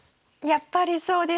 やっぱりそうですよね。